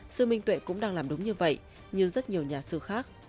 sư minh tuệ cũng đang làm đúng như vậy nhưng rất nhiều nhà sư khác